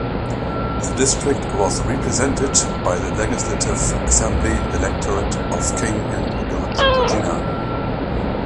The district was represented by the Legislative Assembly electorate of King and Georgiana.